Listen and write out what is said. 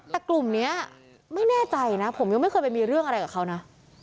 แต่กลุ่มนี้ไม่แน่ใจนะผมยังไม่เคยไปมีเรื่องอะไรกับเขานะ